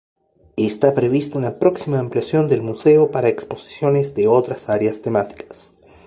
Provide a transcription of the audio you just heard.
Esta prevista una próxima ampliación del museo para exposiciones de otras áreas temáticas.